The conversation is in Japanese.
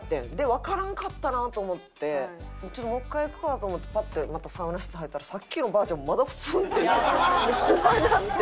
わからんかったなと思ってちょっともう１回行くかと思ってパッてまたサウナ室入ったらさっきのばあちゃんまだスンッていてもう怖なって。